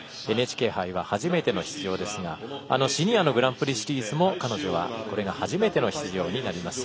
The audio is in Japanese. ＮＨＫ杯は初めての出場ですがシニアのグランプリシリーズも彼女はこれが初めての出場になります。